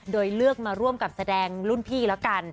โดยเลือกมาร่วมกับแสดงรุ่นพี่แล้วกัน